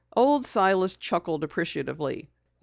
Old Silas chuckled appreciatively.